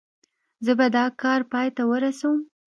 زه به دا کار پای ته ورسوم.